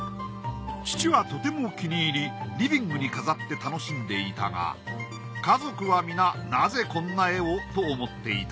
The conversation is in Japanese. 父はとても気に入りリビングに飾って楽しんでいたが家族は皆なぜこんな絵を？と思っていた。